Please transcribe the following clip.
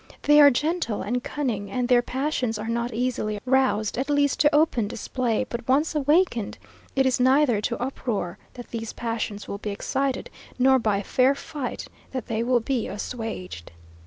They are gentle and cunning, and their passions are not easily roused, at least to open display; but once awakened, it is neither to uproar that these passions will be excited, nor by fair fight that they will be assuaged.